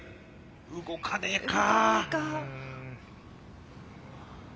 動かねえか。